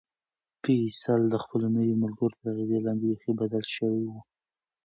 فیصل د خپلو نویو ملګرو تر اغېز لاندې بیخي بدل شوی و.